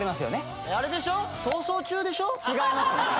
違います